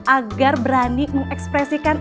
agar berani mengekspresikan